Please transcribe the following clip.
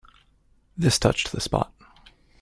This touched the spot.